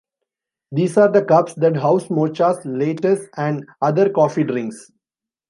These are the cups that house mochas, lattes, and other coffee drinks.